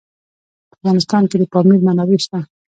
په افغانستان کې د پامیر منابع شته.